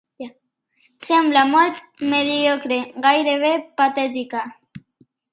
Sembla molt mediocre, gairebé patètica.